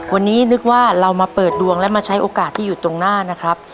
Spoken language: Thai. วันนี้นึกว่าเรามาเปิดดวงและมาใช้โอกาสที่อยู่ตรงหน้านะครับ